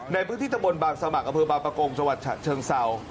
ในพื้นที่ตะบนบางสมัครก็คือบาปกงสวรรค์ชะเชิงเซา